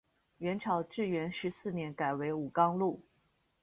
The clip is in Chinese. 元朝至元十四年改为武冈路。